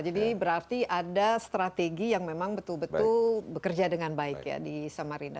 jadi berarti ada strategi yang memang betul betul bekerja dengan baik ya di samarinda